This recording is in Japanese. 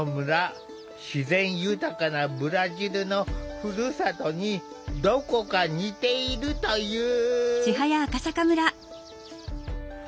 自然豊かなブラジルのふるさとにどこか似ているという。